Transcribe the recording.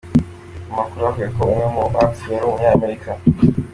Amakuru avuga ko umwe mu bapfuye ari umunyamerika.